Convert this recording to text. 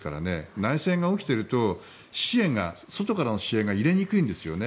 内戦が起きていると外からの支援が入れにくいんですよね。